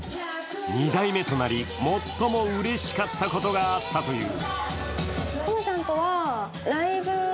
２代目となり、最もうれしかったことがあったという。